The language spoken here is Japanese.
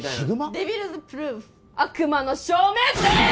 デビルズプルーフ悪魔の証明デース！